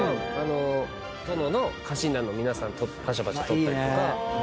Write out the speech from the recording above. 殿の家臣団の皆さんパシャパシャ撮ったりとか。